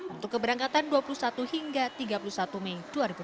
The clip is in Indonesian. untuk keberangkatan dua puluh satu hingga tiga puluh satu mei dua ribu dua puluh